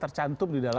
penegakan hukum ham